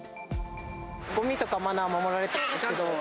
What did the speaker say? ごみとかマナーを守られてるんですけど。